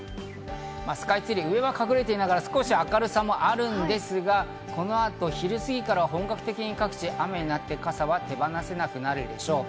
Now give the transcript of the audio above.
スカイツリー、上は隠れていながら少し明るさもあるんですが、この後、昼過ぎから本格的に各地雨になって傘が手放せなくなるでしょう。